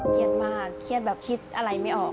เครียดมากเครียดแบบคิดอะไรไม่ออก